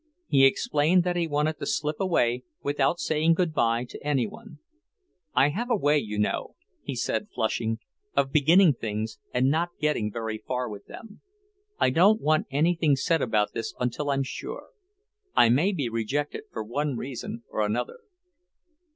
He explained that he wanted to slip away without saying good bye to any one. "I have a way, you know," he said, flushing, "of beginning things and not getting very far with them. I don't want anything said about this until I'm sure. I may be rejected for one reason or another."